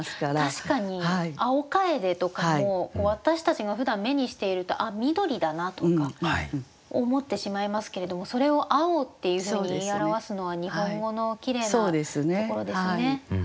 確かに「青楓」とかも私たちがふだん目にしていると「あっ緑だな」とか思ってしまいますけれどもそれを「青」っていうふうに言い表すのは日本語のきれいなところですね。